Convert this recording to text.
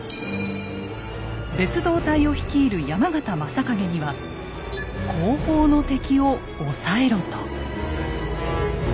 別動隊を率いる山県昌景には「後方の敵を抑えろ」と。